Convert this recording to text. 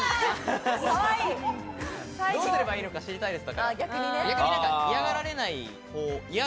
どうすればいいのか知りたいです。